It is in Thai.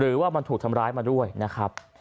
หรือว่ามันถูกทำร้ายมาด้วยนะครับ